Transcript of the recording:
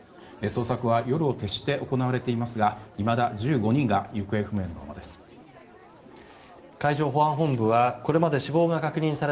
捜索は夜を徹して行われていますがいまだ１５人が行方不明のままです。